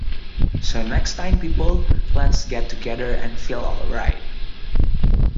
So next time, people, let's get together and feel all right.